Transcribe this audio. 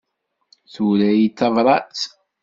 Tura-yi-d tabrat.